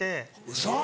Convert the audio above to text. ウソ。